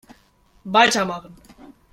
Weitermachen!